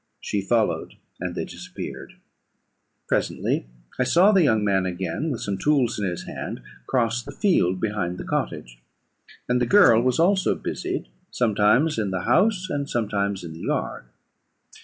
She followed, and they disappeared. Presently I saw the young man again, with some tools in his hand, cross the field behind the cottage; and the girl was also busied, sometimes in the house, and sometimes in the yard.